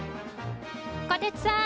こてつさん